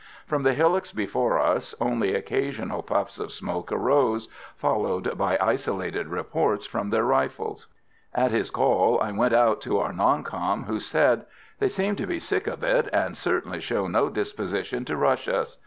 From the hillocks before us only occasional puffs of smoke arose, followed by isolated reports from their rifles. At his call I went out to our "non com," who said: "They seem to be sick of it, and certainly show no disposition to rush us.